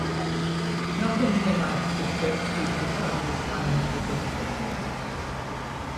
Nothing came out of the trip due to the Chinese financial difficulties.